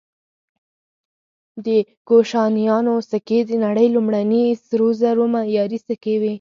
د کوشانیانو سکې د نړۍ لومړني سرو زرو معیاري سکې وې